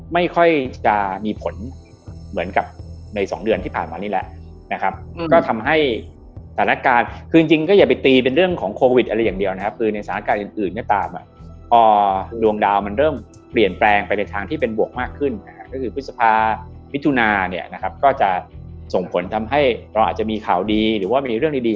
ไม่ค่อยจะมีผลเหมือนกับในสองเดือนที่ผ่านมานี่แหละนะครับก็ทำให้สถานการณ์คือจริงก็อย่าไปตีเป็นเรื่องของโควิดอะไรอย่างเดียวนะครับคือในสถานการณ์อื่นก็ตามอ่ะพอดวงดาวมันเริ่มเปลี่ยนแปลงไปในทางที่เป็นบวกมากขึ้นนะฮะก็คือพฤษภามิถุนาเนี่ยนะครับก็จะส่งผลทำให้เราอาจจะมีข่าวดีหรือว่ามีเรื่องดี